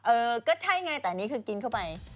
เออก็ใช่ไงแต่อันนี้คือกินเข้าไป